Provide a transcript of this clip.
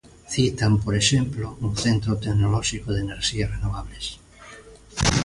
Citan, por exemplo, un centro tecnolóxico de enerxías renovables.